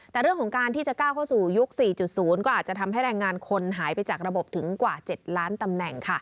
แต่เรื่องของการที่จะก้าวเข้าสู่ยุค๔๐ก็อาจจะทำให้แรงงานคนหายไปจากระบบถึงกว่า๗ล้านตำแหน่ง